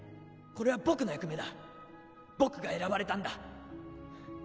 これは僕の役目だ僕が選ばれたんだ